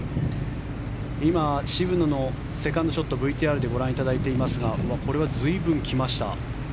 今、渋野のセカンドショットをＶＴＲでご覧いただいていますがこれは随分来ました。